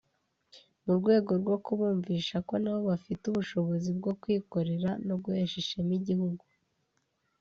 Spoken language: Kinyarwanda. mu rwego rwo kubumvisha ko nabo bafite ubushobozi bwo kwikorera no guhesha ishema igihugu